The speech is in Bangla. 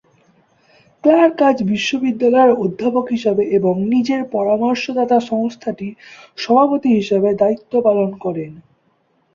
ক্লার্ক আজ বিশ্ববিদ্যালয়ের অধ্যাপক হিসেবে এবং নিজের পরামর্শদাতা সংস্থাটির সভাপতি হিসেবে দায়িত্ব পালন করেন।